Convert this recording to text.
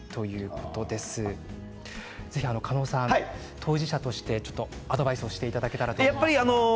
当事者として狩野さんアドバイスしていただけたらと思います。